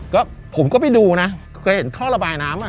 ก็ผมก็ไปดูนะเคยเห็นท่อระบายน้ำอ่ะ